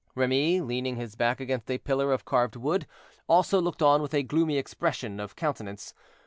Remy, leaning his back against a pillar of carved wood, also looked on with a gloomy expression of countenance.